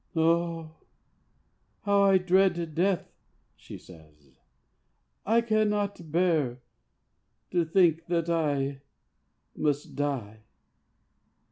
'Oh, how I dread death!' she says; 'I cannot bear to think that I must die.'